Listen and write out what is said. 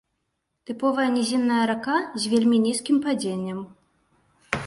Тыповая нізінная рака з вельмі нізкім падзеннем.